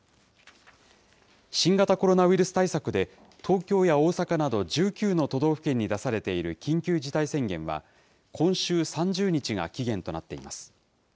新型コロナウイルス対策で、東京や大阪など１９の都道府県に出されている緊急事態宣言は、今週３０日が期限となっています。